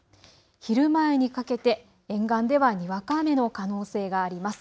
昼前にかけて沿岸ではにわか雨の可能性があります。